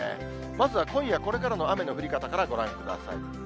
まずは今夜これからの雨の降り方からご覧ください。